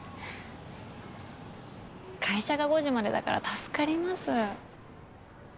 会社が５時までだから助かります。